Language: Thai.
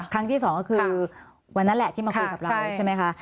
ที่สองก็คือวันนั้นแหละที่มาคุยกับเราใช่ไหมคะ